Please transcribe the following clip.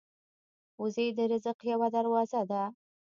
وزې د رزق یوه دروازه ده